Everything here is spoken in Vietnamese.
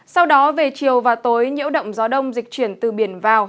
sau đó về chiều và tối nhiễu động gió đông dịch chuyển từ biển vào